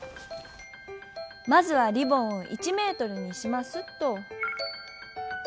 まずはリボンを１メートルにしますっと。